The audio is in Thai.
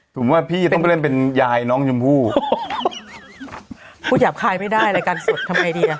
หนูว่าพี่ต้องไปเล่นเป็นยายน้องยมพู่ไม่ได้รายการสดทำไมดีอ่ะ